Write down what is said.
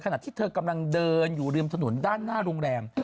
ขณะที่เธอกำลังเดินอยู่ริมถนนด้านหน้าโรงแรม